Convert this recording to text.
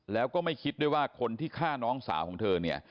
แล้วก็ไม่คิดด้วยว่าคนที่ฆ่าน้องสาวของเธอเนี่ย